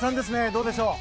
どうでしょう。